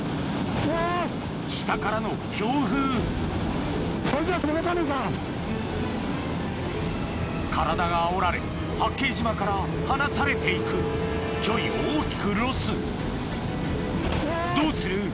下からの強風体があおられ八景島から離されて行く距離を大きくロスどうする？